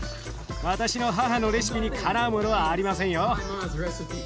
私の母のレシピにかなうものはありませんよ。